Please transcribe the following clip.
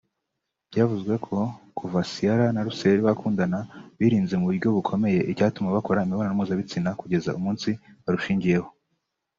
byavuze ko kuva Ciara na Russel bakundana birinze mu buryo bukomeye icyatuma bakorana imibonano mpuzabitsina kugeza umunsi barushingiyeho